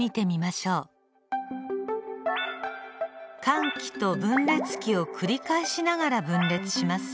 間期と分裂期を繰り返しながら分裂します。